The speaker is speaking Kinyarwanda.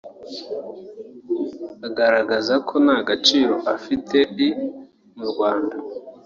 agaragaza ko nta gaciro ufite i mu Rwanda